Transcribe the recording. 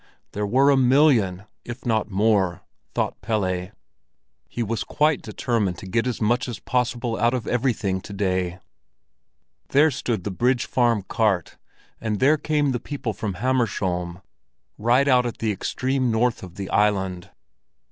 There were a million, if not more, thought Pelle. He was quite determined to get as much as possible out of everything to day. There stood the Bridge Farm cart, and there came the people from Hammersholm, right out at the extreme north of the island.